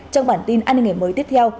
trong bản tin an ninh ngày mới tiếp theo